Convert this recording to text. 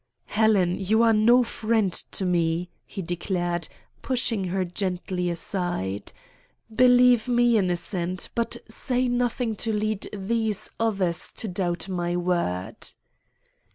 "Helen, you are no friend to me," he declared, pushing her gently aside. "Believe me innocent, but say nothing to lead these others to doubt my word."